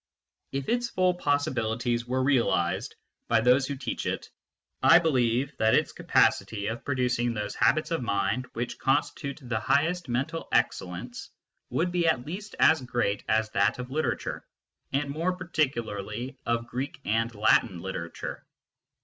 If its full possibilities were realised by those who teach it, I believe that its capacity of producing those habits of mind which constitute the highest mental excellence would be at least as great as that of literature, and more particularly of Greek and Latin literature.